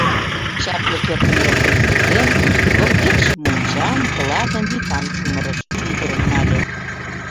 Чапле пӧртым нӧлтен шуктен, воктекше мончам, клатым, вӱтам чумырыш, ӱдырым нале.